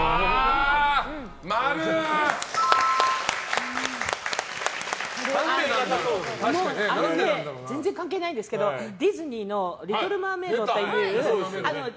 〇！全然関係ないんですけどディズニーの「リトル・マーメイド」っていうね。